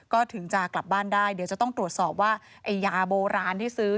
ก็ถึงจะกลับบ้านได้เดี๋ยวจะต้องตรวจสอบว่าไอ้ยาโบราณที่ซื้อ